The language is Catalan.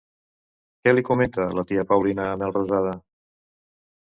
Què li comenta la tia Paulina a Melrosada?